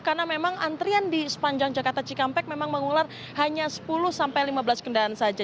karena memang antrian di sepanjang jakarta cikampek memang mengular hanya sepuluh sampai lima belas kendaraan saja